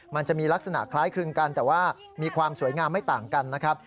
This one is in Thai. มันจะมีลักษณะคล้ายคลึงกันแต่ว่ามีความสวยงามไม่ต่างกันนะครับ